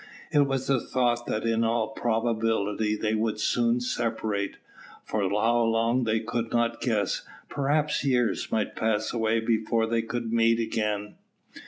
It was the thought that in all probability they would be soon separated, for how long they could not guess perhaps years might pass away before they could again meet.